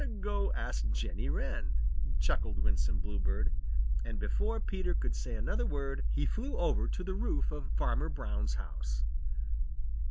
"Go ask Jenny Wren," chuckled Winsome Bluebird, and before Peter could say another word he flew over to the roof of Farmer Brown's house.